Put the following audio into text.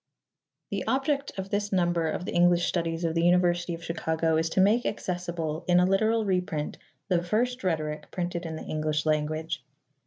The object of this number of the English Studies of the Uni versity of Chicago is to make accessible in a literal reprint the first Rhetoric printed in the English language.